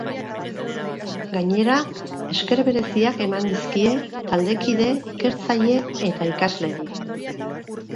Gainera, esker bereziak eman dizkie taldekide, ikertzaile eta ikasleei.